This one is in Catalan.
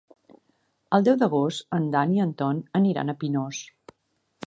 El deu d'agost en Dan i en Ton aniran al Pinós.